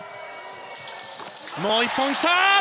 もう１本、来た！